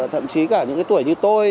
thậm chí cả những tuổi như tôi